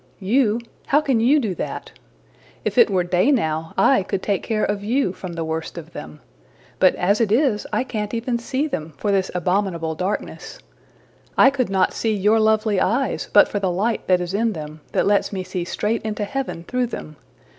'' ``You! How can you do that? If it were day now, I could take care of you from the worst of them. But as it is, I can't even see them for this abominable darkness. I could not see your lovely eyes but for the light that is in them; that lets me see straight into heaven through them.